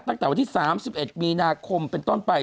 ตั้งแต่วันที่๓๑มีนาคมเป็นต้นไป